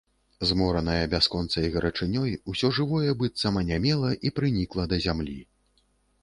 Зморанае бясконцай гарачынёй усё жывое быццам анямела і прынікла да зямлі.